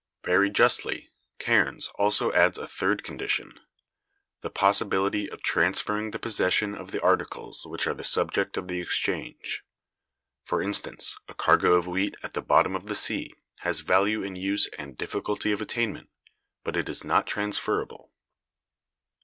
Very justly Cairnes(199) adds also a third condition, "the possibility of transferring the possession of the articles which are the subject of the exchange." For instance, a cargo of wheat at the bottom of the sea has value in use and difficulty of attainment, but it is not transferable.